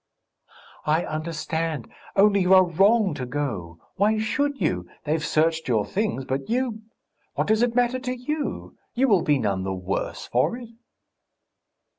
"I understand.... Only you are wrong to go. Why should you? They've searched your things, but you ... what does it matter to you? You will be none the worse for it."